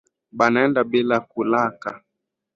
Banaenda bila kulaka